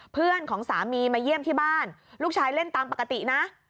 เพื่อนของสามีมาเยี่ยมที่บ้านลูกชายเล่นตามปกตินะ